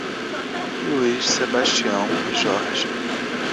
Luís, Sebastião e Jorge